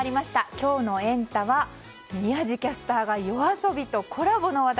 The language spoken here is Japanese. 今日のエンタ！は宮司キャスターがＹＯＡＳＯＢＩとコラボの話題。